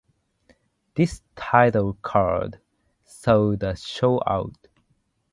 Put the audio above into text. This title card saw the show out.